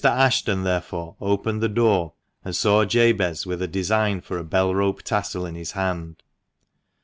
Ashton therefore opened the door, and saw Jabez with a design for a bell rope tassel in his hand.